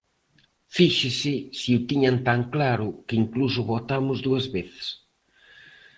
Fíxese se o tiñan tan claro que incluso o votamos dúas veces.